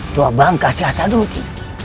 tua bangkas siasat dulu di